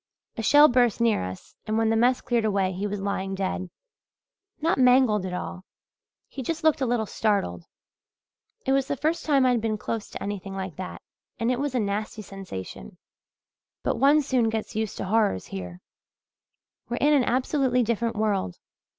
A shell burst near us and when the mess cleared away he was lying dead not mangled at all he just looked a little startled. It was the first time I'd been close to anything like that and it was a nasty sensation, but one soon gets used to horrors here. We're in an absolutely different world.